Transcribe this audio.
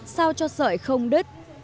sao cho sợi không đứt